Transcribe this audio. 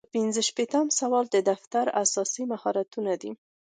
پنځه شپیتم سوال د دفتر اساسي مهارتونه دي.